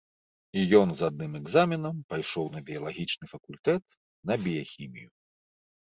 І ён з адным экзаменам пайшоў на біялагічны факультэт на біяхімію.